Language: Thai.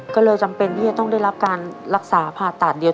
ก็เลยจำเป็นที่จะต้องได้รับการรักษาผ่าตัดเดียว